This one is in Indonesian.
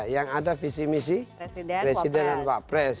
yang ada visi misi presiden dan pak pres